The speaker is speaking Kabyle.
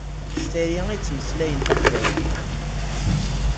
S tayri i ttmeslayent taqbaylit.